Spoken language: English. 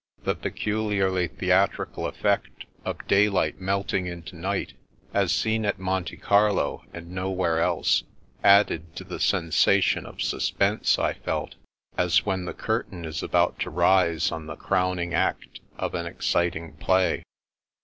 The peculiarly theatrical effect of daylight melting into night, as seen at Monte Carlo and nowhere else, added to the sensation of suspense I felt, as when the curtain is about to rise on the crowning act of an exciting play.